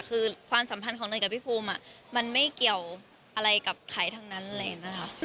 คือความสัมพันธ์ของหนุ่มกับพี่ภูมิมันไม่เกี่ยวอะไรกับใครทั้งนั้นเลยนะครับ